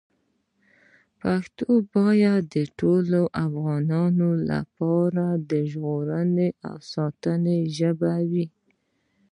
پښتو باید د ټولو افغانانو لپاره د ژغورنې او ساتنې ژبه وي.